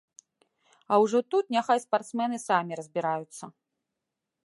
А ўжо тут няхай спартсмены самі разбіраюцца.